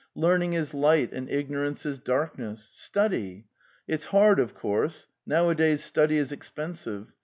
Learning is light and ignorance. is darkness. Study! It's hard, of course; nowa days study is expensive.